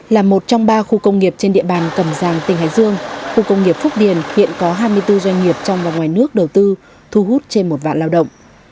là một trong ba khu công nghiệp trên địa bàn cầm giàng tỉnh hải dương khu công nghiệp phúc điền hiện có hai mươi bốn doanh nghiệp trong và ngoài nước đầu tư thu hút trên một vạn lao động